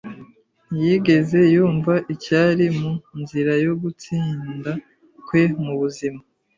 Ntiyigeze yumva icyari mu nzira yo gutsinda kwe mu buzima.